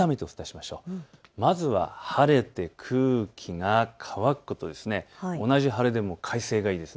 まずは晴れて空気が乾くことです。